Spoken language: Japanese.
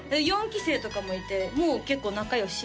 ４期生とかもいてもう結構仲良し？